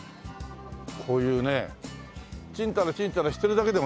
こういうねちんたらちんたらしてるだけでもいいですもんね。